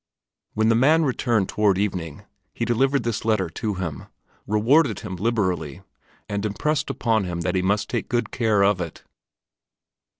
When the man returned toward evening, he delivered this letter to him, rewarded him liberally, and impressed upon him that he must take good care of it.